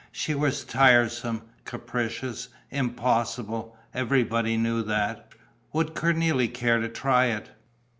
She was tiresome, capricious, impossible; everybody knew that. Would Cornélie care to try it?